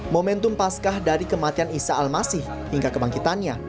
momentum pascah dari kematian isa al masih hingga kebangkitannya